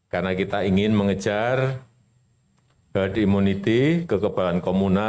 karena kita ingin mengejar herd immunity kekebalan komunal